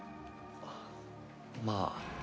あっまあ。